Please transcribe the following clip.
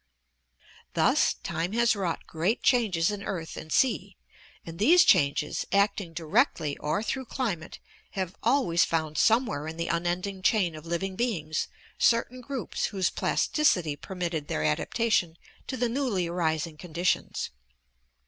Thus time has wrought great changes in earth and sea, and these changes, acting directly or through climate, have always found somewhere in the unending chain of living beings certain groups whose plasticity permitted their adaptation to the newly arising conditions.